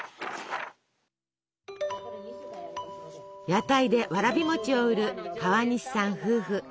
屋台でわらび餅を売る川西さん夫婦。